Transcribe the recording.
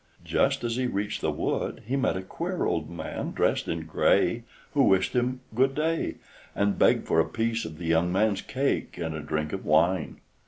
Just as he reached the wood, he met a queer old man, dressed in gray, who wished him "Good day," and begged for a piece of the young man's cake and a drink of wine.